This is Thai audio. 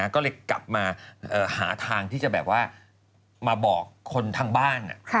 ก็เลยกลับมาหาทางที่จะแบบว่ามาบอกคนทางบ้าน